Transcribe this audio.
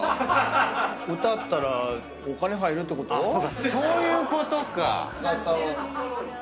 歌ったらお金入るってこと⁉そういうことか！